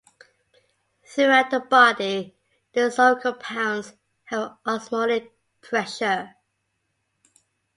Throughout the body, dissolved compounds have an osmotic pressure.